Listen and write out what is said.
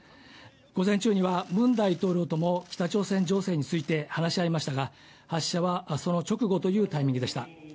午前中にはムン大統領とも北朝鮮情勢について話し合いましたが発射はその直後というタイミングでした。